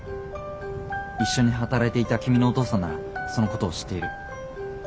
一緒に働いていた君のお父さんならそのことを知っている。